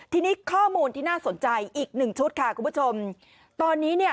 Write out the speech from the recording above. ทีนี้ข้อมูลที่น่าสนใจอีกหนึ่งชุดค่ะคุณผู้ชมตอนนี้เนี่ย